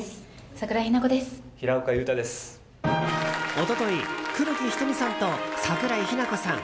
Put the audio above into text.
一昨日黒木瞳さんと桜井日奈子さん